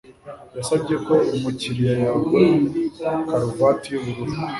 Yasabye ko umukiriya yagura karuvati yubururu